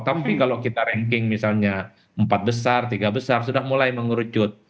tapi kalau kita ranking misalnya empat besar tiga besar sudah mulai mengerucut